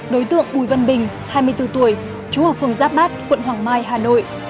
đối tượng bùi văn bình hai mươi bốn tuổi trú ở phường giáp bát quận hoàng mai hà nội